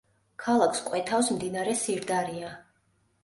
ქალაქს კვეთავს მდინარე სირდარია.